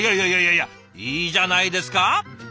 いやいやいやいいじゃないですか。